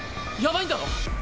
やばいんだろ？